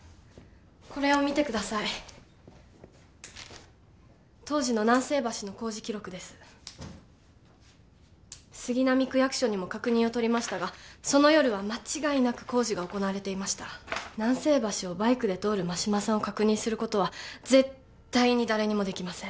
これを見てください当時の南星橋の工事記録です杉並区役所にも確認を取りましたがその夜は間違いなく工事が行われていました南星橋をバイクで通る真島さんを確認することは絶っ対に誰にもできません